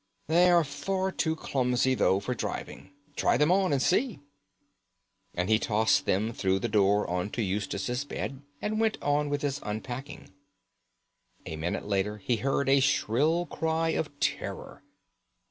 "They are far too clumsy though for driving. Try them on and see," and he tossed them through the door on to Eustace's bed, and went on with his unpacking. A minute later he heard a shrill cry of terror.